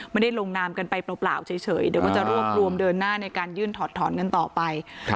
ไม่ได้ลงนามกันไปเปล่าเฉยเดี๋ยวก็จะรวบรวมเดินหน้าในการยื่นถอดถอนกันต่อไป